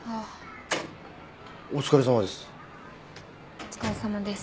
お疲れさまです。